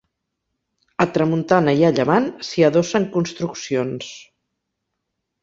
A tramuntana i a llevant s'hi adossen construccions.